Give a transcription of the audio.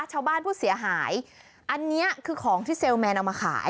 ชาวบ้านผู้เสียหายอันนี้คือของที่เซลลแมนเอามาขาย